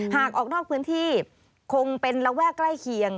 หากออกนอกพื้นที่คงเป็นระแวกใกล้เคียง